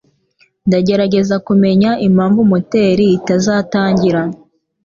Ndagerageza kumenya impamvu moteri itazatangira.